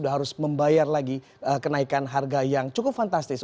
harus membayar lagi kenaikan harga yang cukup fantastis